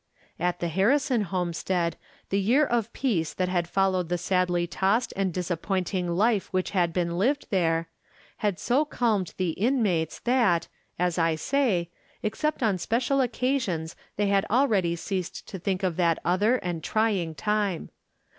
At the Harrison homestead the year of peace that had followed the sadly tossed and disap pointing life which had been lived there, had so 366 From Different Standpoints. calmed the inmates that, as I say, except on spec ial occasions they had already ceased to think of that other and trying time.